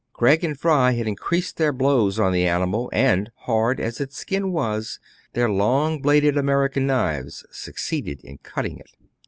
Craig and Fry had increased their blows on the animal ; and, hard as its skin was, their long bladed American knives succeeded in cutting it.